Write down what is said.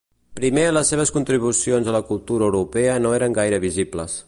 Primer les seves contribucions a la cultura europea no eren gaire visibles.